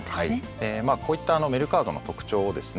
まあこういった「メルカード」の特徴をですね